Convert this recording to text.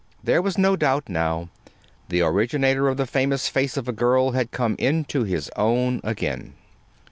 There was no doubt now. The originator of the famous "Face of a Girl" had come into his own again.